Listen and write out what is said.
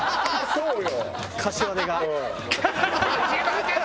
そうよ。